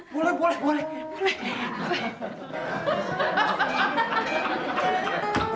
boleh boleh boleh